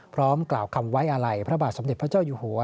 พร้อมกล่าวคำไว้อาลัยพระบาทสมเด็จพระเจ้าอยู่หัว